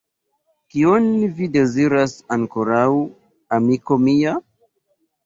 Kion vi deziras ankoraŭ, amiko mia?